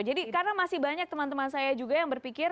karena masih banyak teman teman saya juga yang berpikir